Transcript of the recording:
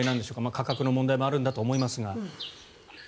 価格の問題もあるんだと思いますが。